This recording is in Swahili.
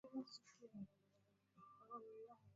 kwa sababu ya uwezekano mkubwa wa Ugonjwa wa Virusi vya Korona